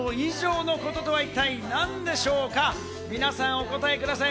皆さんお答えください。